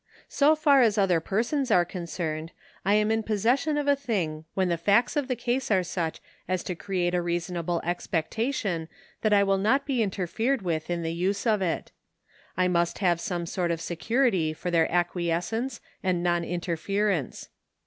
So far as other persons are concerned, I am in possession of a thing when the facts of the case are such as to create a reasonable expectation that I will not be interfered with in the use of it, I must have some sort of security for their acquiescence and non interference.